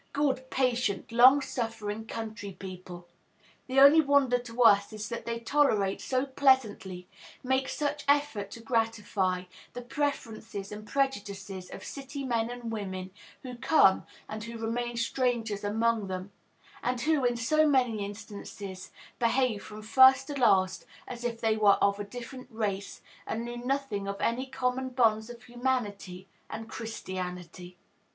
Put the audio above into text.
Good, patient, long suffering country people! The only wonder to us is that they tolerate so pleasantly, make such effort to gratify, the preferences and prejudices of city men and women, who come and who remain strangers among them; and who, in so many instances, behave from first to last as if they were of a different race, and knew nothing of any common bonds of humanity and Christianity.